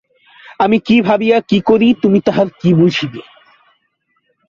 আমি কী ভাবিয়া কী করি তুমি তাহার কী বুঝিবে?